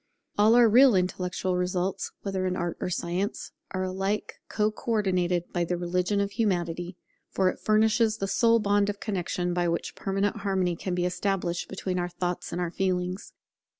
All our real intellectual results, whether in art or science, are alike co ordinated by the religion of Humanity; for it furnishes the sole bond of connexion by which permanent harmony can be established between our thoughts and our feelings.